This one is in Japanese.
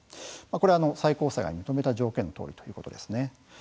これは最高裁が認めた条件のとおりということですね。